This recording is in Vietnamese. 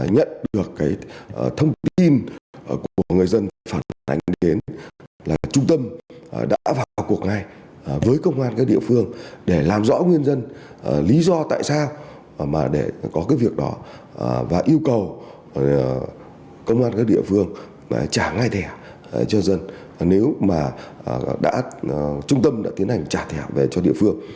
nhiều nội dung đã được người dân phản ánh lên tổng đài